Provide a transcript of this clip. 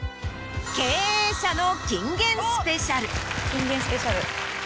おっ金言スペシャル。